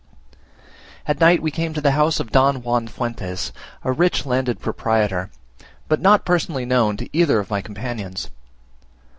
At night we came to the house of Don Juan Fuentes, a rich landed proprietor, but not personally known to either of my companions.